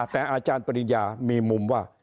แต่อาจารย์ปริญญามีมุมว่า